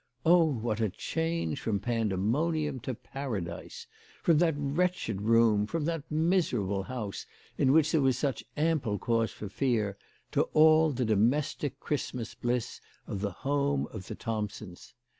Oh, what a change from Pandemonium to Paradise ; from that wretched room, from that miserable house in which there was such ample cause for fear, to all the domestic Christmas bliss of the home of the Thompsons